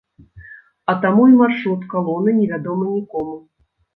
А таму і маршрут калоны не вядомы нікому.